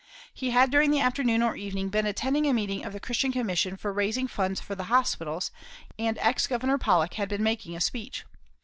He had during the afternoon or evening been attending a meeting of the Christian Commission for raising funds for the hospitals, and ex Governor Pollock had been making a speech.